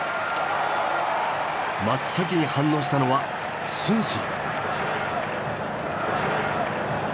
真っ先に反応したのは承信。